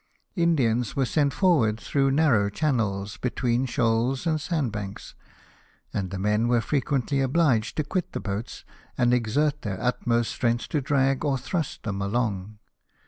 Indians were sent forward through narrow channels between shoals and sandbanks ; and the men were frequently obliged to quit the boats, and exert their utmost strength to drag or thrust them along.